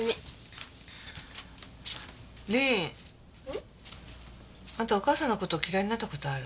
ん？あんたお母さんの事嫌いになった事ある？